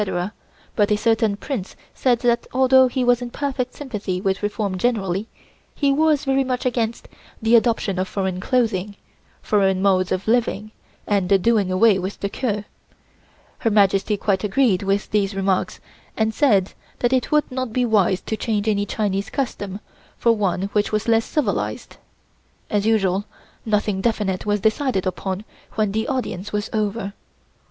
but a certain Prince said that although he was in perfect sympathy with reform generally, he was very much against the adoption of foreign clothing, foreign modes of living, and the doing away with the queue. Her Majesty quite agreed with these remarks and said that it would not be wise to change any Chinese custom for one which was less civilized. As usual, nothing definite was decided upon when the audience was over.